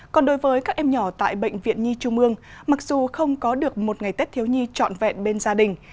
còn đối với các em nhỏ tại bệnh viện nhi trung ương mặc dù không có được một ngày tết thiếu nhi trọn vẹn bên gia đình